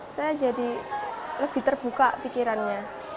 saya jadi lebih terbuka pikirannya